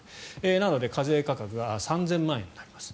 なので課税価格が３０００万円になります。